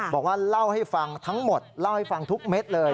บอกว่าเล่าให้ฟังทั้งหมดเล่าให้ฟังทุกเม็ดเลย